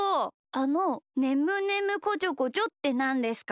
あの「ねむねむこちょこちょ」ってなんですか？